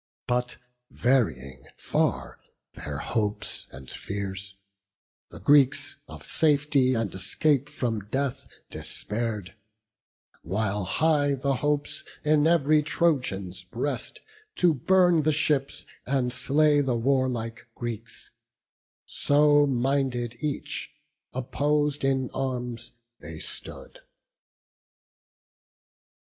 But varying far their hopes and fears: the Greeks Of safety and escape from death despair'd; While high the hopes in ev'ry Trojan's breast, To burn the ships, and slay the warlike Greeks; So minded each, oppos'd in arms they stood.